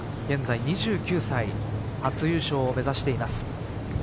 現在２９歳初優勝を目指しています。